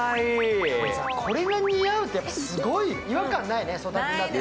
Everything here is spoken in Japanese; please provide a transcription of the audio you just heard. これか似合うってすごい、違和感ないね、曽田君だと。